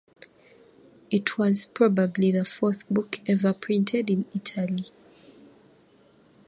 It was probably the fourth book ever printed in Italy.